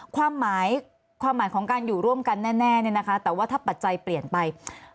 ความหมายของการอยู่ร่วมกันแน่นี่นะคะแต่ว่าถ้าปัจจัยเปลี่ยนไป